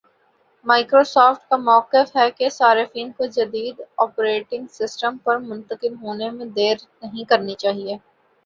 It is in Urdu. مائیکروسافٹ کا مؤقف ہے کہ صارفین کو جدید آپریٹنگ سسٹم پر منتقل ہونے میں دیر نہیں کرنی چاہیے